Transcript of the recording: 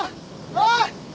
おい！